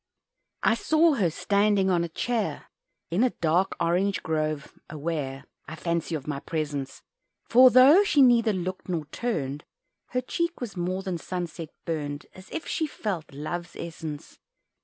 I saw her standing on a chair In a dark orange grove aware, I fancy, of my presence; For though she neither looked nor turned, Her cheek with more than sunset burned, As if she felt Love's essence.